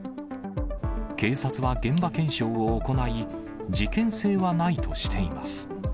警察は現場検証を行い、事件性はないとしています。